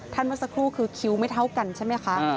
เมื่อสักครู่คือคิ้วไม่เท่ากันใช่ไหมคะ